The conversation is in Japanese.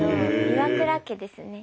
岩倉家ですね。